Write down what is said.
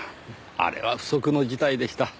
あれは不測の事態でした。